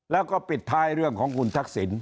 แล้วก็ปิดท้ายเรื่องของคุณทักษิณ